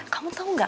kamu tau gak